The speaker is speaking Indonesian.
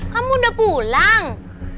kamu udah pulang